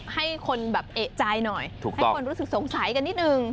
ให้คนแบบเอกใจหน่อยให้คนรู้สึกสงสัยกันนิดนึง